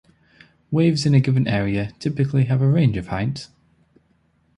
Waves in a given area typically have a range of heights.